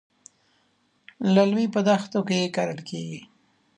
للمي په دښتو کې کرل کېږي.